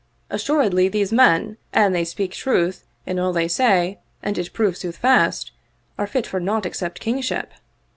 Assuredly these men, an they speak truth in all they say and it prove soothfast, are fit for naught except kingship.